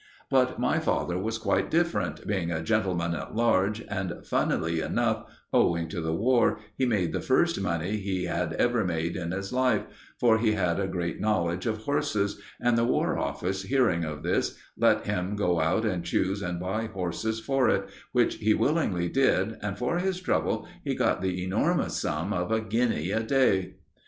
But my father was quite different, being a gentleman at large, and funnily enough, owing to the War, he made the first money he had ever made in his life, for he had a great knowledge of horses, and the War Office, hearing of this, let him go out and choose and buy horses for it, which he willingly did, and for his trouble he got the enormous sum of a guinea a day!